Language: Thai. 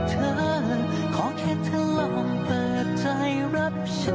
สายที่มีก็ให้ไป